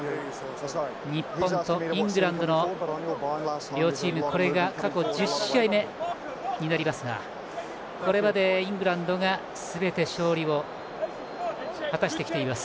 日本とイングランドの両チームこれが１０試合目になりますがこれまでイングランドがすべて勝利を果たしています。